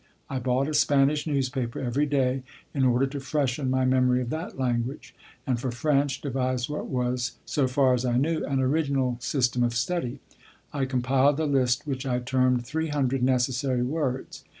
I bought a Spanish newspaper every day in order to freshen my memory of that language, and, for French, devised what was, so far as I knew, an original system of study. I compiled a list which I termed "Three hundred necessary words."